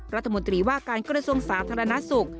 รัฐมนตรีว่าการกระทรวงสาธารณสุข